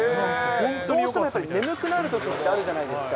どうしてもやっぱり、眠くなるときってあるじゃないですか。